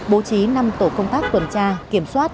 bố trí năm tổ công tác tuần tra kiểm soát